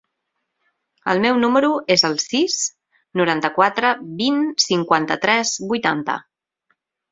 El meu número es el sis, noranta-quatre, vint, cinquanta-tres, vuitanta.